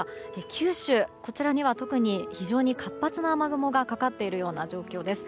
九州では特に非常に活発な雨雲がかかっているような状況です。